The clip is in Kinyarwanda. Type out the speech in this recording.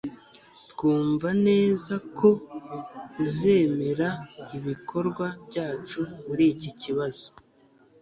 Twumva neza ko uzemera ibikorwa byacu muriki kibazo